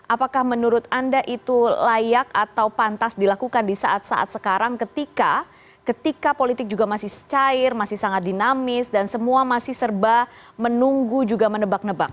apakah menurut anda itu layak atau pantas dilakukan di saat saat sekarang ketika politik juga masih cair masih sangat dinamis dan semua masih serba menunggu juga menebak nebak